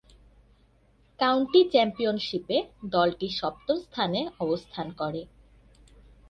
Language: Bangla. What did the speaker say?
কাউন্টি চ্যাম্পিয়নশীপে দলটি সপ্তম স্থানে অবস্থান করে।